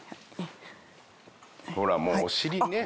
ほらもうお尻ね。